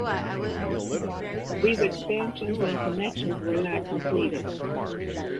These expansions and connections were not completed.